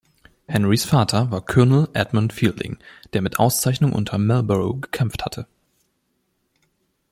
Henrys Vater war Colonel Edmund Fielding, der mit Auszeichnung unter Marlborough gekämpft hatte.